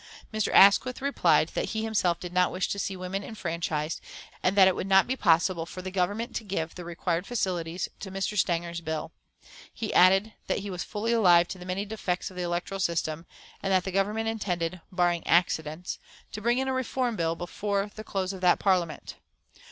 Mr. Asquith replied that he himself did not wish to see women enfranchised, and that it would not be possible for the Government to give the required facilities to Mr. Stanger's bill. He added that he was fully alive to the many defects of the electoral system, and that the Government intended, "barring accidents," to bring in a reform bill before the close of that Parliament.